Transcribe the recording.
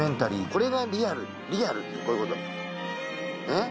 これがリアルリアルってこういうことだねっ？